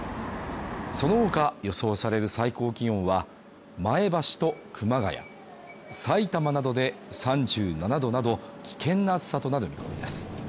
その他、予想される最高気温は前橋と熊谷さいたまなどで３７度など、危険な暑さとなる見込みです。